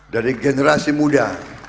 dari generasi muda